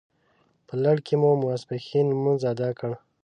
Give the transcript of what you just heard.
په لړ کې مو ماپښین لمونځ اداء کړ.